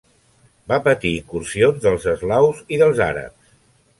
Va patir incursions dels eslaus i dels àrabs.